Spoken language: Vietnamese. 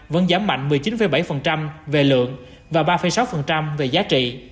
vẫn giảm mạnh một mươi chín bảy về lượng và ba sáu về giá trị